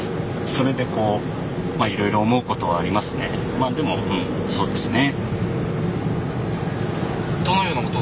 まあでもそうですね。